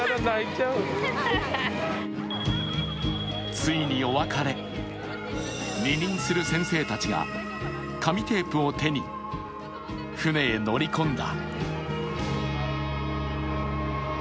ついにお別れ、離任する先生たちが紙テープを手に船へ乗り込んだ。